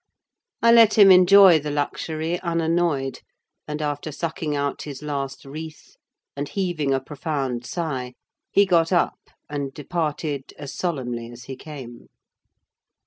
I let him enjoy the luxury unannoyed; and after sucking out his last wreath, and heaving a profound sigh, he got up, and departed as solemnly as he came.